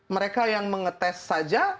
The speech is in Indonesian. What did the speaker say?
mereka yang mengetes saja